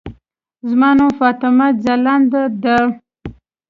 زما نوم فاطمه ځلاند ده.